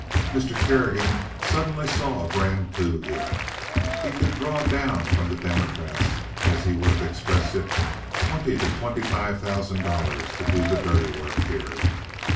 Mr. Kerrigan suddenly saw a grand coup here. He could "draw down" from the Democrats, as he would have expressed it, twenty to twenty five thousand dollars to do the dirty work here.